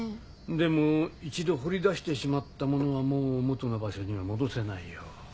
でも一度掘り出してしまったものはもう元の場所には戻せないよ。